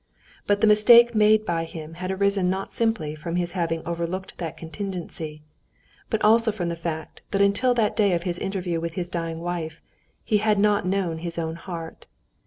But the mistake made by him had arisen not simply from his having overlooked that contingency, but also from the fact that until that day of his interview with his dying wife, he had not known his own heart.